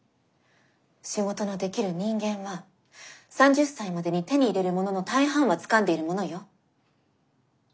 仕事のできる人間は３０歳までに手に入れるものの大半はつかんでいるものよ。